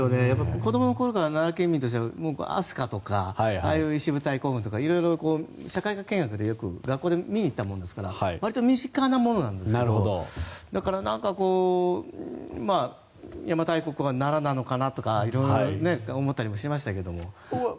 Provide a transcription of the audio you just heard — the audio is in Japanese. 子どもの頃から奈良県民としては飛鳥とか石舞台古墳とか社会科見学で、学校で見に行ったものですからわりと身近なものなんですが邪馬台国が奈良なのかなとか色々思ったりもしましたけど。